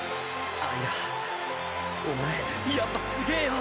あいらお前やっぱすげえよ。